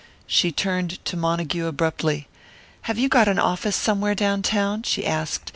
She turned to Montague abruptly. "Have you got an office somewhere down town?" she asked.